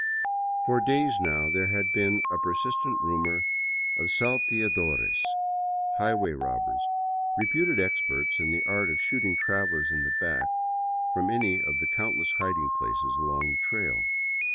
For days now there had been persistent rumors of salteadores, high way robbers, reputed experts in the art of shooting travelers in the back from any of the countless hiding places along the trail.